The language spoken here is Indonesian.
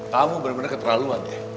kamu bener bener keterlaluan deh